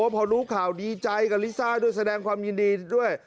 พอรู้ข่าวดีใจกับลิซ่าด้วยแสดงความยินดีด้วย